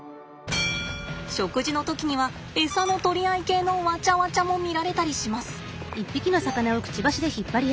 食事の時にはエサの取り合い系のワチャワチャも見られたりします。